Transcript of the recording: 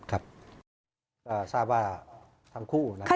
รู้สึกว่าทั้งคู่นะครับ